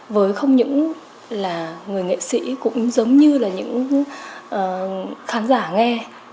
với không những là người nghệ sĩ cũng giống như là những khán giả nghe